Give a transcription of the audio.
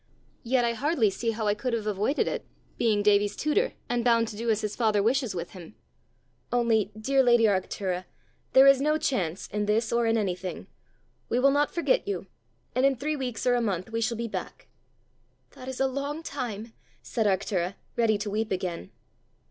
Yet I hardly see how I could have avoided it, being Davie's tutor, and bound to do as his father wishes with him. Only, dear lady Arctura, there is no chance in this or in anything! We will not forget you, and in three weeks or a month we shall be back." "That is a long time," said Arctura, ready to weep again.